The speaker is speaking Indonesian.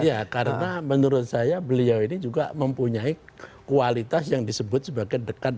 iya karena menurut saya beliau ini juga mempunyai kualitas yang disebut sebagai dekat